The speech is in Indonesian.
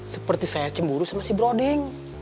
seperti saya cemburu sama si broding